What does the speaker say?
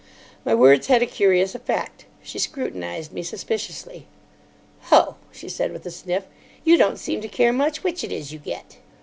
My words had a curious effect. She scrutinised me suspiciously. "Ho!" she said, with a sniff; "you don't seem to care much which it is you get."